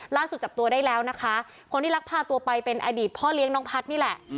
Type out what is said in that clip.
จับตัวได้แล้วนะคะคนที่ลักพาตัวไปเป็นอดีตพ่อเลี้ยงน้องพัฒน์นี่แหละ